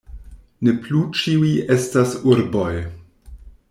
Ne plu ĉiuj estas urboj.